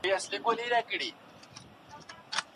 هغه خپله لاره په ډاډه زړه غوره کړه.